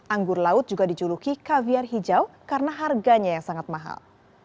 anggur laut juga dijuluki kaviar hijau karena harganya yang sangat mahal